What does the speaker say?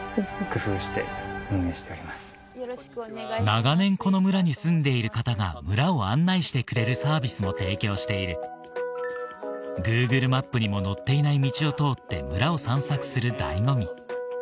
長年この村に住んでいる方が村を案内してくれるサービスも提供しているグーグルマップにも載っていない道を通って村を散策する醍醐味